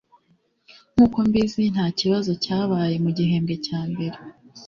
Nkuko mbizi ntakibazo cyabaye mugihembwe cya mbere